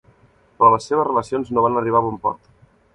Però les seves relacions no van arribar a bon port.